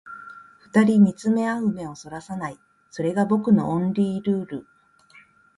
二人見つめ合う目を逸らさない、それが僕のオンリールール